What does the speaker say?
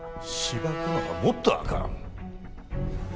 しばくのはもっとあかん。